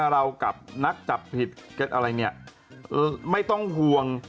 เรากับนักจับผิดอะไรเนี่ยไม่ต้องห่วง